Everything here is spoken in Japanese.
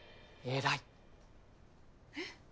えっ？